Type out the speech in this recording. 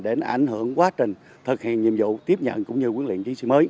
để ảnh hưởng quá trình thực hiện nhiệm vụ tiếp nhận cũng như huấn luyện chiến sĩ mới